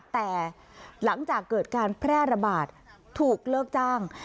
แต่หลังจากเกิดการแพร่ระบาดถูกเลิกจ้าง